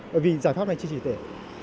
bởi vì giải pháp này chưa triệt để